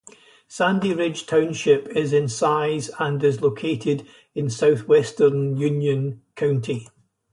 Sandy Ridge Township is in size and is located in southwestern Union County.